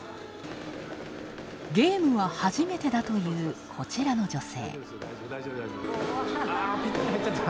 ゲームは初めてだという、こちらの女性。